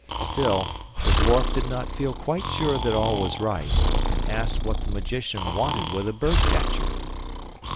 Still, the dwarf did not feel quite sure that all was right, and asked what the magician wanted with a bird catcher.